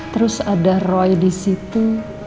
terus ada roy disitu